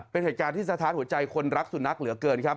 เป็นเหตุการณ์ที่สะท้านหัวใจคนรักสุนัขเหลือเกินครับ